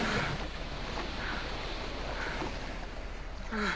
ああ。